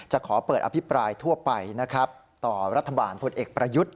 ขอเปิดอภิปรายทั่วไปนะครับต่อรัฐบาลพลเอกประยุทธ์